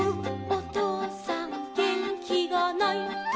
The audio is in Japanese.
おとうさんげんきがない」